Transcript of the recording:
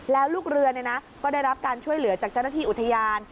แล้วลูกเรือก็ได้รับการช่วยเหลือจากเจ้าหน้าที่อุทยาน